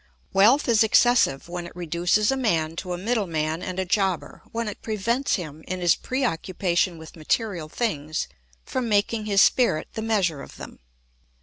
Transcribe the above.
] Wealth is excessive when it reduces a man to a middleman and a jobber, when it prevents him, in his preoccupation with material things, from making his spirit the measure of them.